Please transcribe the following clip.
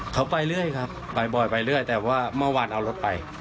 เขาไปเรื่อยครับไปบ่อยไปเรื่อยแต่ว่าเมื่อวานเอารถไป